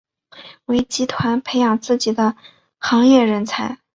为集团培养自己的行业人才。